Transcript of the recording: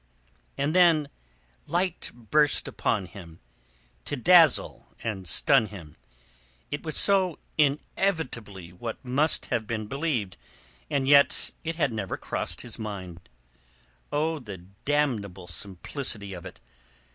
And then light burst upon him, to dazzle and stun him. It was so inevitably what must have been believed, and yet it had never crossed his mind. O the damnable simplicity of it!